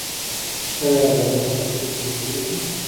آیا د غوا ساتنه ستونزمنه ده؟